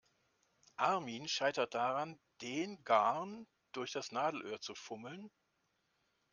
Armin scheitert daran, den Garn durch das Nadelöhr zu fummeln.